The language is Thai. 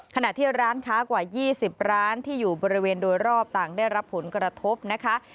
ขณะที่ร้านค้ากว่า๒๐ร้านที่อยู่บริเวณโดยรอบต่างได้รับผลกระทบนะคะ